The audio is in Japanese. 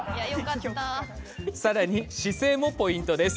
さらに、姿勢もポイントです。